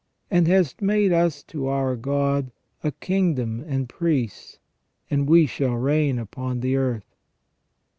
And hast made us to our God a kingdom and priests, and we shall reign upon the earth.''